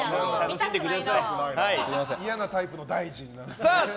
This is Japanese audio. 嫌なタイプの大臣。